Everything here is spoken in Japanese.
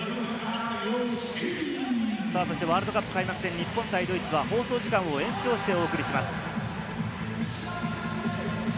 ワールドカップ開幕戦、日本対ドイツは放送時間を延長してお送りします。